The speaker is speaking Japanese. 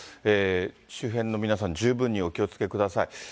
周辺の皆さん、十分にお気をつけください。